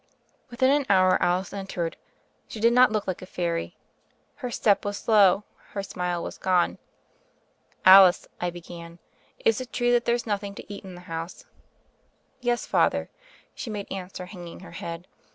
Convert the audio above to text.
Within an hour Alice entered. She did not look like a fairy: her step was slow, her smile was gone. "Alice," I began, "is it true that there's noth ing to eat in the house?" "Yes, Father," she made answer, hanging her head.